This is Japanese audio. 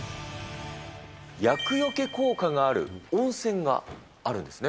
厄よけ効果がある温泉があるんですね。